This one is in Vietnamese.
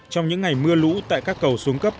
trong những ngày mưa lũ tại các cầu xuống cấp